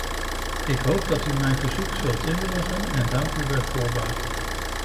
Ik hoop dat u mijn verzoek zult inwilligen en dank u bij voorbaat.